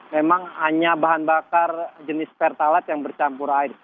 memang hanya bahan bakar jenis pertalat yang bercampur air